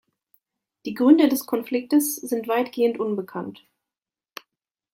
Die Gründe des Konfliktes sind weitgehend unbekannt.